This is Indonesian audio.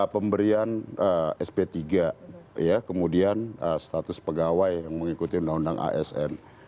pemberian sp tiga kemudian status pegawai yang mengikuti undang undang asn